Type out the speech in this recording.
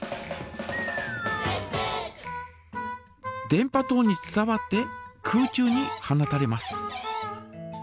電波とうに伝わって空中に放たれます。